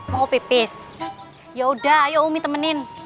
mau pipis ya udah ayo umi temenin